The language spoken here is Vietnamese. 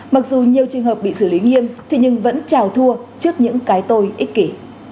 mặc dù nhiều trường hợp bị xử lý nghiêm thì nhưng vẫn trào thua trước những cái tôi ích kỷ